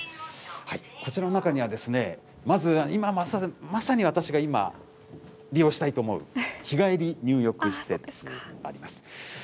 こちらの中には、まず今まさに私が、今利用したいと思う、日帰り入浴施設があります。